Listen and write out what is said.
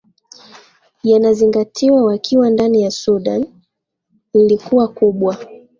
yanazingatiwa wakiwa ndani ya sudan lilikuwa kubwa